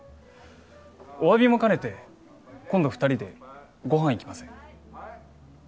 お詫びも兼ねて今度二人でご飯行きません？